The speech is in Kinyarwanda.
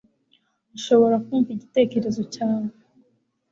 Nshobora kumva igitekerezo cyawe.